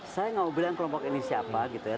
saya mau bilang kelompok ini siapa gitu ya